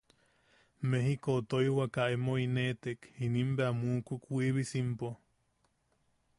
Mejikou tojiwaka emo ineʼetek, inim bea muukuk Wiibisimpo.